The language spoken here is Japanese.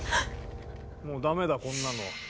もう駄目だこんなの。